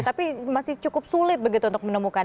tapi masih cukup sulit begitu untuk menemukan